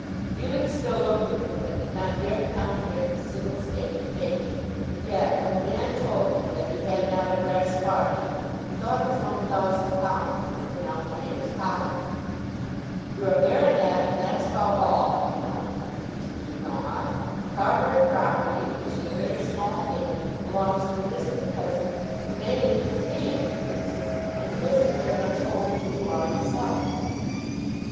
Felix still looked at him but did not dare to contradict a single statement made. Yet when the man told him that he had not a brass farthing he thought of his own thousand pounds which were now in the man's pocket. "You're a baronet, and that's about all, you know," continued Melmotte. "The Carbury property, which is a very small thing, belongs to a distant cousin who may leave it to me if he pleases; and who isn't very much older than you are yourself."